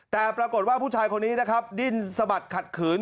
แต่ปรากฏว่าผู้ชายคนนี้นะครับดิ้นสะบัดขัดขืน